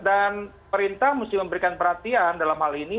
dan perintah mesti memberikan perhatian dalam hal ini